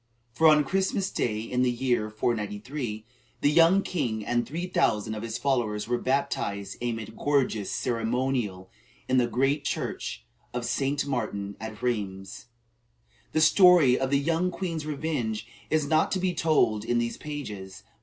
For on Christmas day, in the year 493, the young king and three thousand of his followers were baptized amid gorgeous ceremonial in the great church of St. Martin at Rheims. The story of the young queen's revenge is not to be told in these pages.